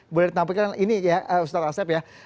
boleh ditampilkan ini ya ustaz asyaf ya